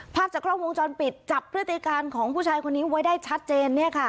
ภาพจากกล้องวงจรปิดจับพฤติการของผู้ชายคนนี้ไว้ได้ชัดเจน